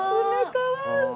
カワウソ！